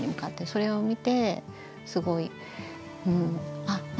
それを見てすごい。